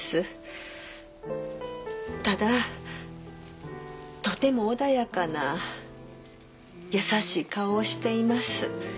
ただとても穏やかな優しい顔をしています。